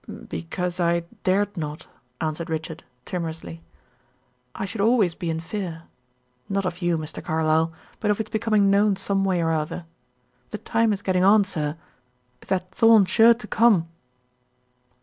"Because I dared not," answered Richard, timorously, "I should always be in fear; not of you, Mr. Carlyle, but of its becoming known some way or other. The time is getting on, sir; is that Thorn sure to come?"